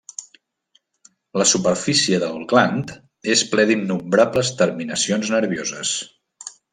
La superfície del gland és ple d'innombrables terminacions nervioses.